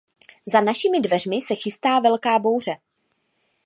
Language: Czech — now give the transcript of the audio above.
Za našimi dveřmi se chystá velká bouře.